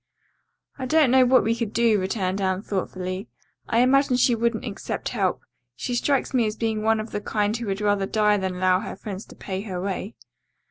"I don't know what we could do," returned Anne thoughtfully. "I imagine she wouldn't accept help. She strikes me as being one of the kind who would rather die than allow her friends to pay her way."